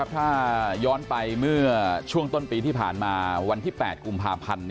ถ้าย้อนไปเมื่อช่วงต้นปีที่ผ่านมาวันที่๘กุมภาพันธ์